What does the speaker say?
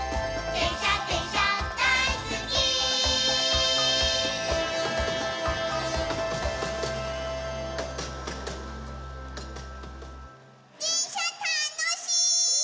でんしゃたのしい！